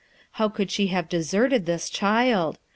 How could she have deserted this child